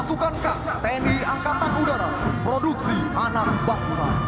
pasukan kast tni angkatan udara produksi hanang baksa